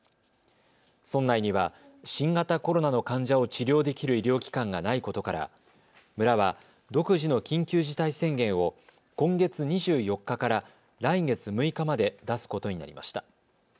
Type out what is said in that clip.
村内には新型コロナの患者を治療できる医療機関がないことから村は独自の緊急事態宣言を今月２４日から来月６日まで出すことになりました。